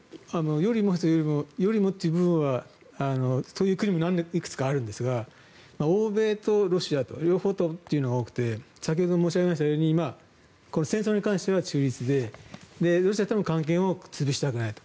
よりもという部分はそういう国もいくつかあるんですが欧米とロシアと両方ともというのが多くて先ほど申し上げたように戦争に関しては中立でロシアとの関係を潰したくないと。